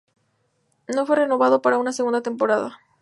No fue renovado para una segunda temporada.